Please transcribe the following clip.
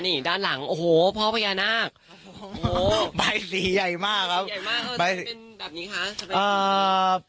นี่ด้านหลังโอ้โหพ่อพยานาคโอ้โหใบสีใหญ่มากครับใหญ่มาก